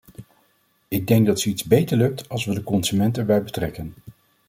Ik denk dat zoiets beter lukt als we de consument erbij betrekken.